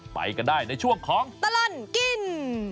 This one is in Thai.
ไปกันได้ในช่วงของตลอดกิน